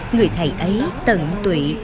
người thầy ấy tận tụy